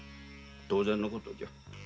当然のことじゃ。